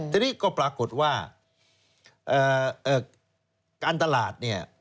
ทีนี้ก็ปรากฏว่าการตลาด